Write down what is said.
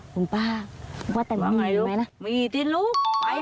คุณป้าคุณป้าแต่มีไหมล่ะว่าไงลูกมีจริงลูก